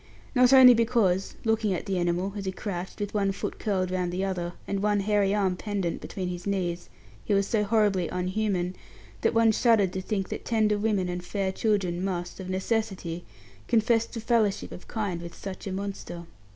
Not only because, looking at the animal, as he crouched, with one foot curled round the other, and one hairy arm pendant between his knees, he was so horribly unhuman, that one shuddered to think that tender women and fair children must, of necessity, confess to fellowship of kind with such a monster.